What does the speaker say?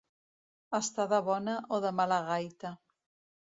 Estar de bona o de mala gaita.